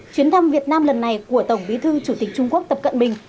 chuyến thăm việt nam lần này của tổng bí thư chủ tịch trung quốc tập cận bình